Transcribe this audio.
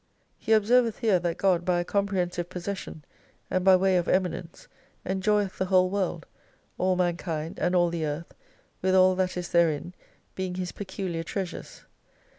He observeth here that God by a comprehensive possession, and by way of eminence, enjoyeth the whole world ; all mankind and all the Earth, with all that is therein, being His peculiar treasures.